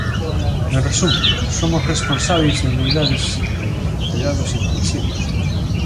En resumo, somos responsábeis de unidades de coidados intensivos.